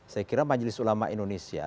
saya kira majelis ulama indonesia